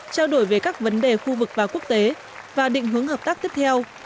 trao đổi về các vấn đề khu vực và quốc tế và định hướng hợp tác tiếp theo